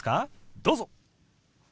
どうぞ。